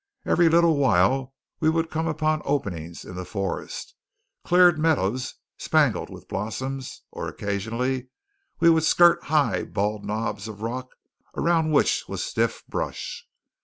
Every little while we would come upon openings in the forest, clear meadows spangled with blossoms; or occasionally we would skirt high bald knobs of rock around which was stiff brush.